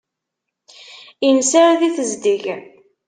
Innser di tezdeg.